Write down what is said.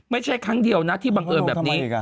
ไม่ใช่ครั้งเดียวนะที่บังเอิญแบบนี้